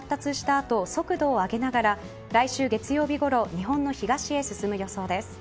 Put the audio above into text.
あと速度を上げながら来週月曜日ごろ日本の東へ進む予想です。